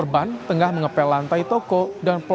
barang barang pembunuhan tidak sama